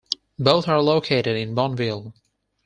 Both are located in Boonville.